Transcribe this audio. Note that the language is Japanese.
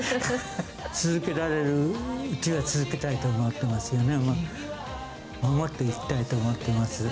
続けられるうちは続けたいと思ってますよね。